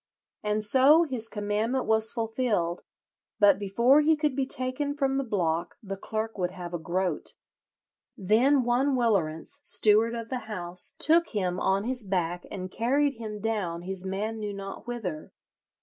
And so his commandment was fulfilled; but before he could be taken from the block the clerk would have a groat. Then one Willerence, steward of the house, took him on his back and carried him down his man knew not whither.